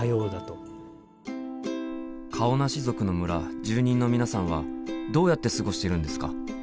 顔なし族の村住人の皆さんはどうやって過ごしているんですか？